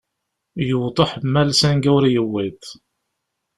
Yewweḍ uḥemmal sanga ur yewwiḍ.